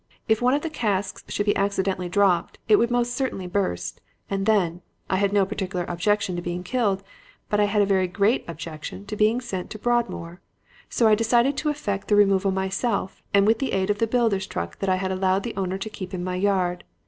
If one of the casks should be accidentally dropped it would certainly burst, and then I had no particular objection to being killed, but I had a very great objection to being sent to Broadmoor. So I decided to effect the removal myself with the aid of the builder's truck that I had allowed the owner to keep in my yard.